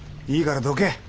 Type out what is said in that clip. いいからどけ。